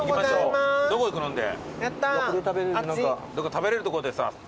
食べれるとこでさ。